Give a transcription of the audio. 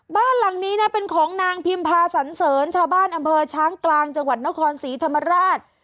บ้านหลังนี้นะเป็นของนางพิมพาสันเสริญชาวบ้านอำเภอช้างกลางจังหวัดนครศรีธรรมราช